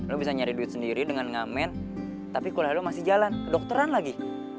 lo bisa nyari duit sendiri dengan ngamen tapi kuliah lo masih jalan kedokteran lagi